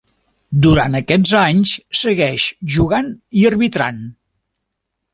Durant aquests anys segueix jugant i arbitrant.